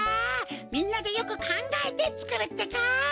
みんなでよくかんがえてつくるってか！